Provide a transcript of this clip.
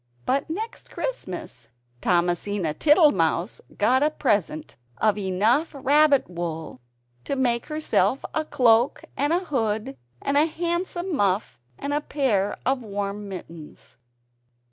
But next Christmas Thomasina Tittlemouse got a present of enough rabbit wool to make herself a cloak and a hood, and a handsome muff and a pair of warm mittens.